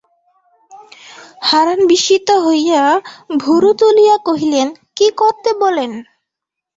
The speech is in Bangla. হারান বিস্মিত হইয়া ভুরু তুলিয়া কহিলেন, কী করতে বলেন?